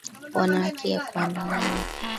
wana haki ya kuandamana